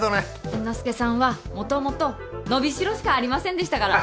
玄之介さんはもともと伸びしろしかありませんでしたから。